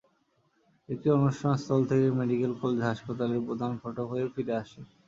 এটি অনুষ্ঠানস্থল থেকে medical college হাসপাতালের প্রধান ফটক হয়ে ফিরে আসে।